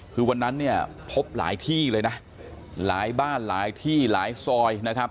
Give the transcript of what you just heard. คือวันนั้นเนี่ยพบหลายที่เลยนะหลายบ้านหลายที่หลายซอยนะครับ